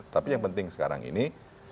tapi yang penting sekarang ini